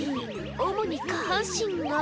主に下半身が。